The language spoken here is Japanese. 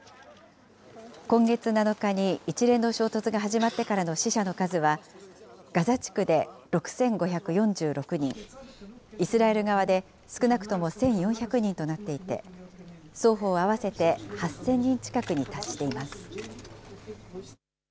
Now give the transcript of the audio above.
今月７日に一連の衝突が始まってからの死者の数は、ガザ地区で６５４６人、イスラエル側で少なくとも１４００人となっていて、双方合わせて８０００人近くに達しています。